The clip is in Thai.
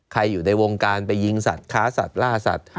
อยู่ในวงการไปยิงสัตว์ค้าสัตว์ล่าสัตว